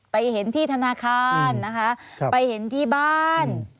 ไปเห็นที่ธนาคารนะคะไปเห็นที่บ้าน